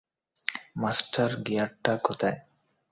Master গিয়ারটা কোথায়?